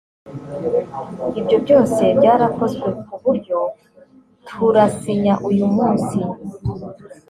ibyo byose byarakozwe ku buryo turasinya uyu munsi